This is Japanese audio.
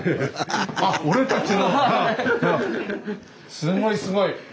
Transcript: すごいすごい。